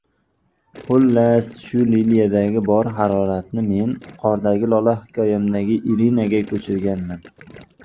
Xullas, shu Liliyadagi bor haroratni men “Qordagi lola” hikoyamdagi Irinaga ko‘chirganman.